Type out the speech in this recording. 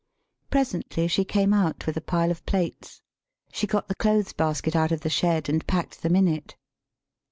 Presently she came out with a pile of plates. She got the clothes basket out of the shed, and packed them in it.